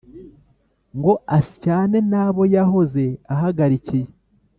ngo asyane n’abo yahoze ahagarikiye